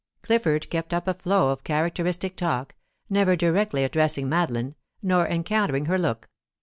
Clifford kept up a flow of characteristic talk, never directly addressing Madeline, nor encountering her look.